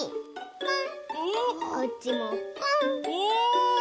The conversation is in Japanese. ポン！